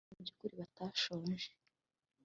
Ndakeka yuko mubyukuri batashonje